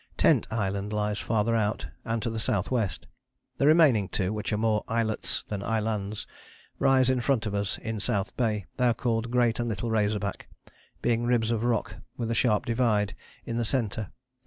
Tent Island lies farther out and to the south west. The remaining two, which are more islets than islands, rise in front of us in South Bay. They are called Great and Little Razorback, being ribs of rock with a sharp divide in the centre.